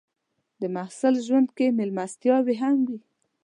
د محصل ژوند کې مېلمستیاوې هم وي.